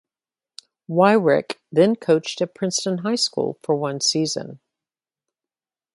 Wyrick then coached at Princeton High School for one season.